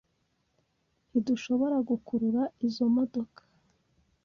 Ntidushobora gukurura izoi modoka.